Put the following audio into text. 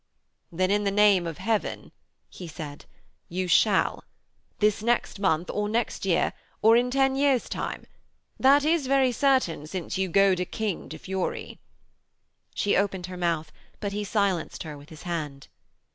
'Then in the name of heaven,' he said, 'you shall this next month, or next year, or in ten years' time. That is very certain, since you goad a King to fury.' She opened her mouth, but he silenced her with his hand.